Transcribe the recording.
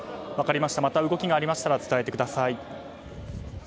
また動きがありましたら伝えてください。